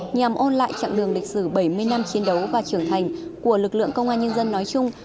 nhằm ôn lại chặng đường lịch sử bảy mươi năm chiến đấu và trưởng thành của lực lượng công an nhân dân nói chung